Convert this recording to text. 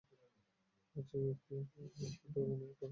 আর যে ব্যক্তি অপরটি অনুভব করবে, সে যেন শয়তান থেকে আশ্রয় প্রার্থনা করে।